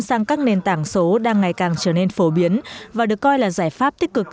sang các nền tảng số đang ngày càng trở nên phổ biến và được coi là giải pháp tích cực